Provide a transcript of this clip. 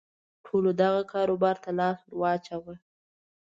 ټولو دغه کاروبار ته لاس ور واچاوه.